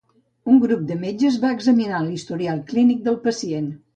Un grup de metges va examinar l'historial clínic del pacient.